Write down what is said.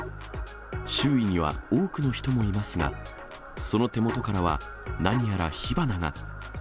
周囲には多くの人もいますが、その手元からは、何やら火花が。